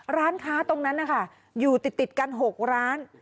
ร้านค้าตรงนั้นนะคะอยู่ติดกัน๖ร้าน